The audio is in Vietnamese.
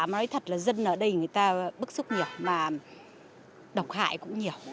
nói thật là dân ở đây người ta bức xúc nhiều mà độc hại cũng nhiều